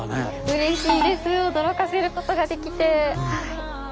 うれしいです驚かせることができて。